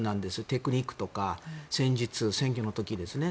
テクニックとか戦術選挙の時ですね。